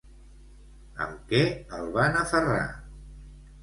Amb què el van aferrar?